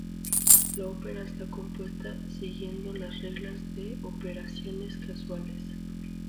La ópera está compuesta siguiendo las reglas de operaciones casuales.